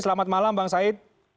selamat malam bang syed